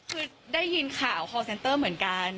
คือได้ยินข่าวคอร์เซนเตอร์เหมือนกัน